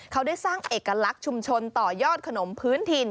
เขาได้สร้างเอกลักษณ์ชุมชนต่อยอดขนมพื้นถิ่น